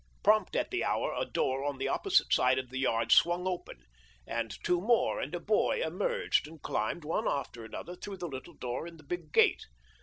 Prompt at the hour a door on the opposite side of the yard swung open, and two men and a boy emerged and climbed one after another through the little door in the big gate.